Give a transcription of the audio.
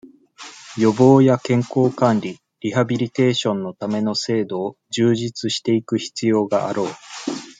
予防や、健康管理、リハビリテーションのための制度を、充実していく必要があろう。